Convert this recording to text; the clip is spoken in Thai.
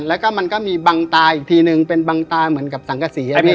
แล้วก็มันก็มีบังตาอีกทีนึงเป็นบังตาเหมือนกับสังกษีอะพี่